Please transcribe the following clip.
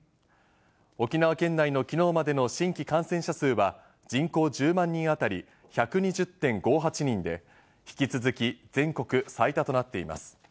沖縄県内のきのうまでの新規感染者数は、人口１０万人当たり１２０．５８人で、引き続き全国最多となっています。